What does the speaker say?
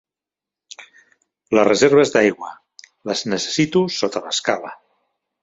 Les reserves d'aigua, les necessito sota l'escala.